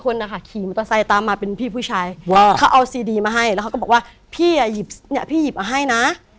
แล้วเขาก็บอกว่าพี่อ่ะหยิบเนี่ยพี่หยิบเอาให้นะ